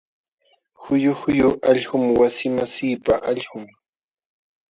Huyu huyu allqum wasimasiipa allqun.